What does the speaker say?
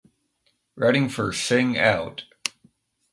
Writing for Sing Out!